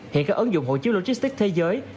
hiện các ứng dụng hộ chiếu logistics thế giới